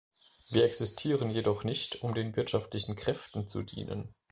Wir existieren jedoch nicht, um den wirtschaftlichen Kräften zu dienen.